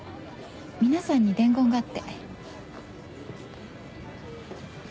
皆さんに伝言があって。